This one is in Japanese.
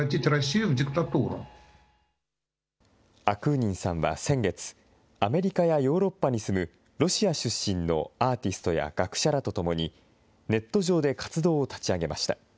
アクーニンさんは先月、アメリカやヨーロッパに住むロシア出身のアーティストや学者らとともに、ネット上で活動を立ち上げました。